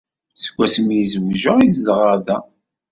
Seg wasmi ay zewjeɣ ay zedɣeɣ da.